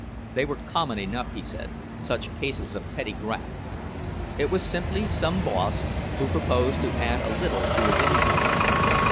They were common enough, he said, such cases of petty graft. It was simply some boss who proposed to add a little to his income.